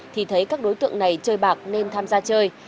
thì thấy các đối tượng này chơi bạc nên tham gia chơi